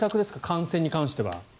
感染に対しては。